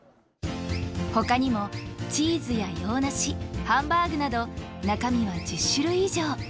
ほかにもチーズや洋梨ハンバーグなど中身は１０種類以上。